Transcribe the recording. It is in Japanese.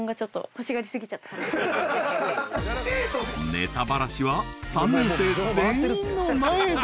［ネタバラシは３年生全員の前で］